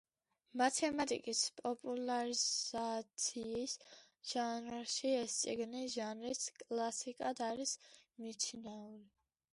მათემატიკის პოპულარიზაციის ჟანრში ეს წიგნი ჟანრის კლასიკად არის მიჩნეული.